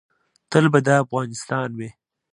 تل به دا افغانستان وي